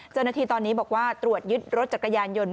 เจ้าหน้าที่ตอนนี้บอกว่าตรวจยึดรถจักรยานยนต